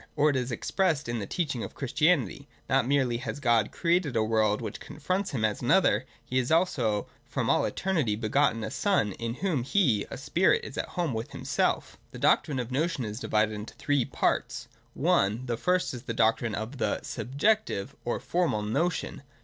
Or, as it is expressed in the teaching of C'liristianity : not merely has God created a world which confronts him as an other ; He has also from all eternity begotten a Son in whom He, a Spirit, is at home with himself VOL. II. u :oo THE DOCTRIXF OF THE XOriOX. [i6j. 162.] The doctrine of the notion is divided into three parts, (i) The first is the doctrine c^'^ the Subjootivo or Formal Notion.